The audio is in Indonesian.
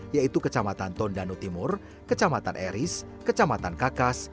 yaitu kecamatan tondanu timur kecamatan eris kecamatan kakas